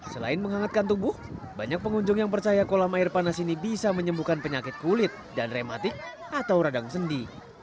selain menghangatkan tubuh banyak pengunjung yang percaya kolam air panas ini bisa menyembuhkan penyakit kulit dan reumatik atau radang sendi